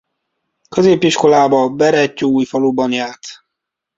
Középiskolába Berettyóújfaluban járt.